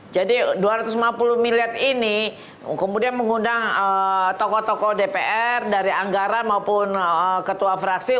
jadi dua ratus lima puluh miliar ini kemudian mengundang tokoh tokoh dpr dari anggaran maupun ketua partai